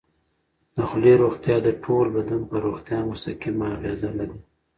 د خولې روغتیا د ټول بدن پر روغتیا مستقیمه اغېزه لري.